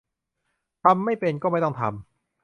ทำไม่เป็น ก็ไม่ต้องทำ